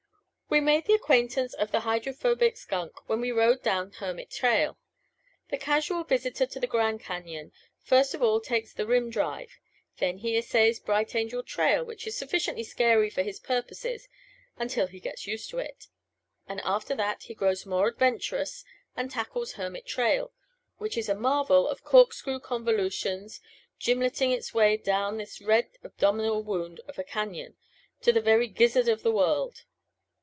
We made the acquaintance of the Hydrophobic Skunk when we rode down Hermit Trail. The casual visitor to the Grand Cañon first of all takes the rim drive; then he essays Bright Angel Trail, which is sufficiently scary for his purposes until he gets used to it; and after that he grows more adventurous and tackles Hermit Trail, which is a marvel of corkscrew convolutions, gimleting its way down this red abdominal wound of a cañon to the very gizzard of the world.